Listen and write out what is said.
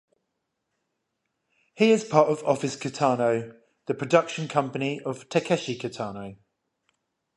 He is part of Office Kitano, the production company of Takeshi Kitano.